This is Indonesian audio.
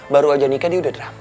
baru aja nikah dia udah drama